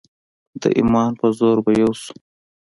د ایمان په زور به یو شو.